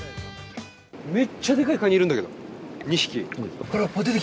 めっちゃでかいカニいるんだけど、２匹。